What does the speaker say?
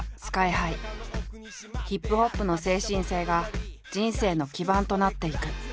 ＨＩＰＨＯＰの精神性が人生の基盤となっていく。